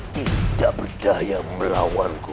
tidak berdaya melawanku